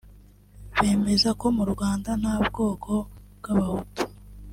bemeza ko mu Rwanda nta bwoko bw’abahutu